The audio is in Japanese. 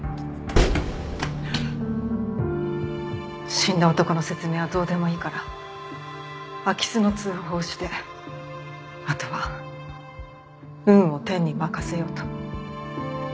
死んだ男の説明はどうでもいいから空き巣の通報をしてあとは運を天に任せようと。